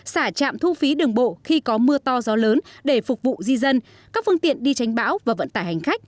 xả trạm thu phí đường bộ khi có mưa to gió lớn để phục vụ di dân các phương tiện đi tránh bão và vận tải hành khách